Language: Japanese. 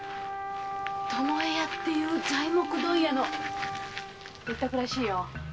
巴屋っていう材木問屋の別宅らしいよ。